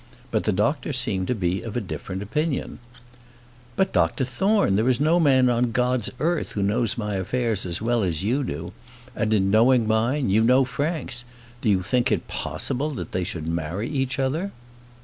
But the doctor seemed to be of a different opinion. "But, Dr Thorne, there is no man on God's earth who knows my affairs as well as you do; and in knowing mine, you know Frank's. Do you think it possible that they should marry each other?"